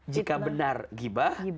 jika benar gibah